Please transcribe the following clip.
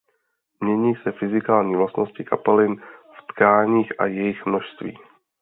Mění se fyzikální vlastnosti kapalin v tkáních a jejich množství.